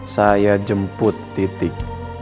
saya jemput titik